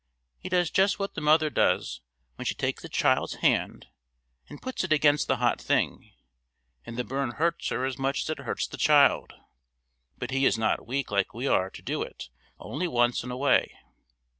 He does just what the mother does when she takes the child's hand and puts it against the hot thing, and the burn hurts her as much as it hurts the child; but He is not weak like we are to do it only once in a way.